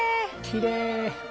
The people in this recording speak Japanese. きれい。